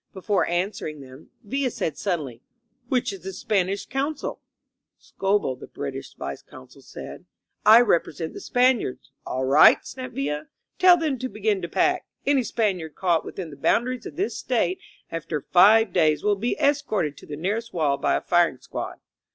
Before answering them, Villa said suddenly: ^^Which is the Spanish con sul?'* Scobell, the British vice consul, said: I repre sent the Spaniards." "All right!" snapped Villa. ^^Tell them to begin to pack. Any Spaniard caught within the boundaries of this State after five days will be escorted to the nearest wall by a £ring squad."